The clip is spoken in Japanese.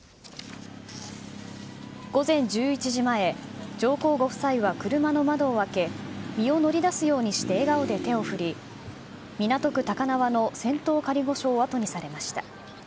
午前１１時前、上皇ご夫妻は車の窓を開け、身を乗り出すようにして笑顔で手を振り、港区・高輪の仙洞仮御所を後にされました。